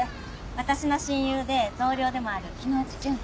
私の親友で同僚でもある木之内順子。